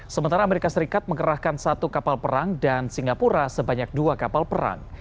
sementara amerika serikat mengerahkan satu kapal perang dan singapura sebanyak dua kapal perang